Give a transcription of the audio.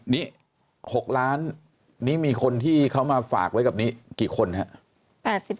นี่๖ล้านนี้มีคนที่เขามาฝากไว้กับนี้กี่คนครับ